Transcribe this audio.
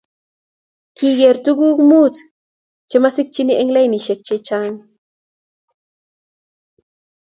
Kiger tuguk Mut chemasikchi eng lainishek chechang